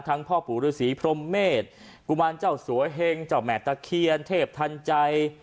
ทั้งพ่อผู้รูสีพรมเมฆกุมารเจ้าสวยเห็งเจ้าแม่ตะเคียนเทพทันใจ